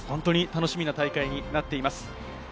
楽しみな大会になっています。